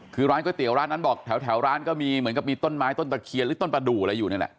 คือร้านก๋วยเตี๋ยวร้านนั้นบอกแถวร้านก็มีเหมือนกับมีต้นไม้ต้นตะเคียนหรือต้นประดูกอะไรอยู่นี่แหละ